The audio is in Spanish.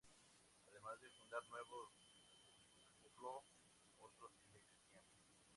Además de fundar nuevos, repobló otros que ya existían.